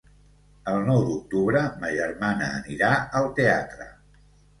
El nou d'octubre ma germana anirà al teatre.